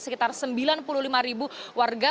sekitar sembilan puluh lima ribu warga